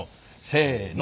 せの。